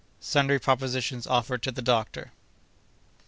—Sundry Propositions offered to the Doctor.